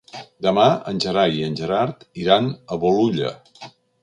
Demà en Gerai i en Gerard iran a Bolulla.